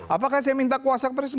apakah saya minta kuasa